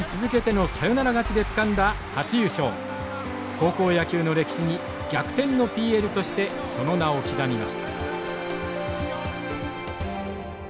高校野球の歴史に逆転のＰＬとしてその名を刻みました。